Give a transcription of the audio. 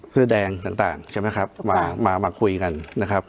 เสื้อแดงต่างใช่ไหมครับมามาคุยกันนะครับ